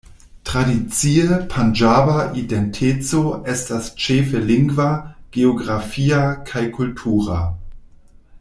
Tradicie, panĝaba identeco estas ĉefe lingva, geografia kaj kultura.